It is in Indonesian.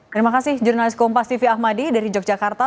terima kasih jurnalis kompas tv ahmadi dari yogyakarta